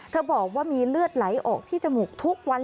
บอกว่ามีเลือดไหลออกที่จมูกทุกวัน